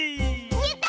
やった！